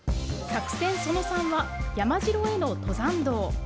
作戦その３は、山城への登山道。